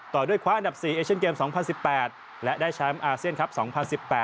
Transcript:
ด้วยคว้าอันดับ๔เอเชียนเกม๒๐๑๘และได้แชมป์อาเซียนครับ๒๐๑๘